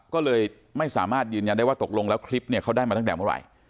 ก็เลยไม่สามารถยืนยันได้ว่าตกลงแล้วคลิปเนี่ยเขาได้มาตั้งแต่เมื่อไหร่